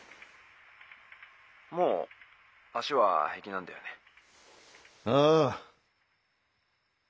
☎もう足は平気なんだよね？ああ。